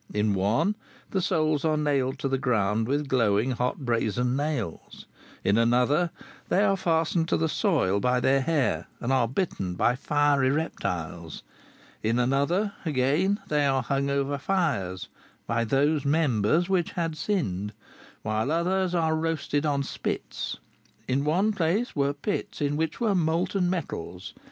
In one, the souls are nailed to the ground with glowing hot brazen nails; in another they are fastened to the soil by their hair, and are bitten by fiery reptiles. In another, again, they are hung over fires by those members which had sinned, whilst others are roasted on spits. In one place were pits in which were molten metals.